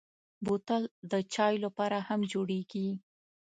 بوتل د چايو لپاره هم جوړېږي.